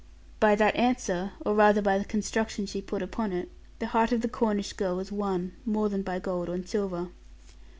By that answer, or rather by the construction she put upon it, the heart of the Cornish girl was won, more than by gold and silver.